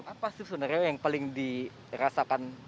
apa sih sebenarnya yang paling dirasakan